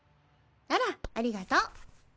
あらありがとう。